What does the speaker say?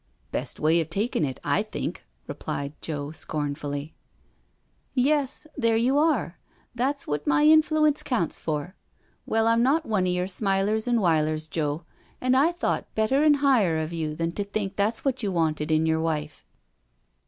" Best way of takin' it, I think," replied Joe scorn fully. JENNY'S CALL 71 " Yes, there you are I That's wot my influence counts for. Well, Tm not one of yer smilers an' wilers, Joe, an' I thought better an' higher of you than to think that's wot you wanted in your wife."